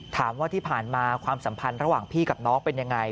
ถามว่าที่ผ่านมาความสัมพันธ์ระหว่างพี่กับน้องเป็นยังไง